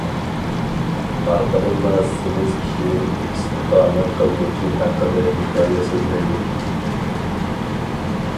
ئارقىدىنلا سېمىز كىشى ئىستىقامەت قىلغۇچى ھەققىدە ھېكايە سۆزلەيدۇ.